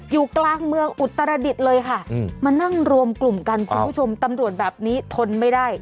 อยู่กลางเมืองอุตรดิษฐ์เลยค่ะมานั่งรวมกลุ่มกันคุณผู้ชมตำรวจแบบนี้ทนไม่ได้